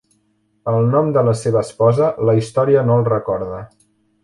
El nom de la seva esposa la història no el recorda.